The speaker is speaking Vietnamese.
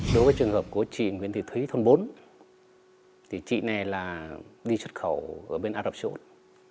đối với trường hợp của chị nguyễn thị thúy thôn bốn thì chị này là đi xuất khẩu ở bên arab shores